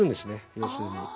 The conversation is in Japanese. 要するに。